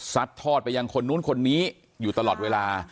ทอดไปยังคนนู้นคนนี้อยู่ตลอดเวลา